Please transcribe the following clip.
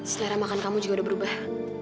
selera makan kamu juga udah berubah